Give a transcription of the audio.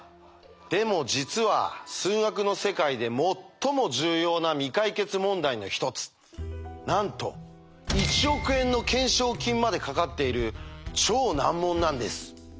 でも実は数学の世界で最も重要な未解決問題の一つなんと１億円の懸賞金までかかっている超難問なんです。